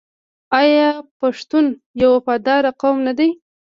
آیا پښتون یو وفادار قوم نه دی؟